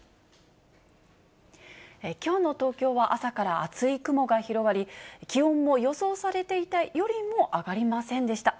きょうの東京は、朝から厚い雲が広がり、気温も予想されていたよりも上がりませんでした。